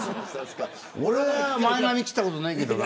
俺は前髪切ったことないけどな。